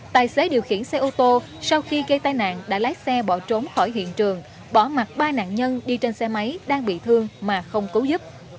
tài xế điều khiển xe ô tô sau khi gây tai nạn đã lái xe bỏ trốn khỏi hiện trường bỏ mặt ba nạn nhân đi trên xe máy đang bị thương mà không cứu giúp